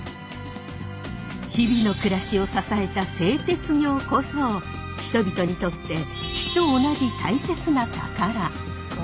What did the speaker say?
日々の暮らしを支えた製鉄業こそ人々にとって血と同じ大切な宝。